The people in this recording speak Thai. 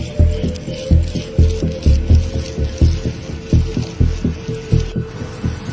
สวัสดีครับสวัสดีครับ